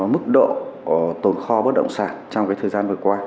mức độ tồn kho bất động sản trong thời gian vừa qua